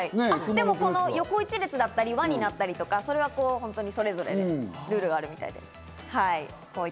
でも、この横１列だったり、輪になったりとか、それは本当にそれぞれでルールがあるみたいで、はい。